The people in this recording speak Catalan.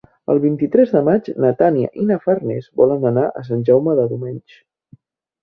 El vint-i-tres de maig na Tanit i na Farners volen anar a Sant Jaume dels Domenys.